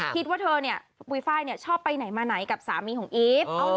คิดว่าเธอเนี่ยปุ๋ยไฟล์ชอบไปไหนมาไหนกับสามีของอีฟ